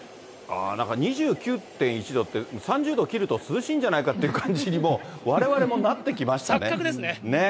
なんか２９．１度って、３０度切ると涼しいんじゃないかっていう感じにもうわれわれもな錯覚ですね。